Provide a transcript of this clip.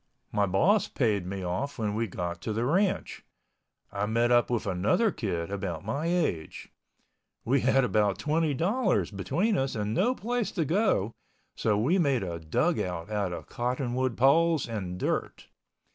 My boss paid me off when we got to the ranch. I met up with another kid about my age. We had about $20.00 between us and no place to go. So we made a dugout out of cottonwood poles and dirt.